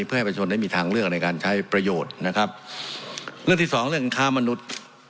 เพื่อให้ประชนได้มีทางเลือกในการใช้ประโยชน์นะครับเรื่องที่สองเรื่องค้ามนุษย์